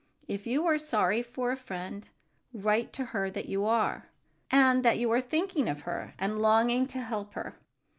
If you are sorry for a friend, write to her that you are, and that you are thinking of her and longing to help her.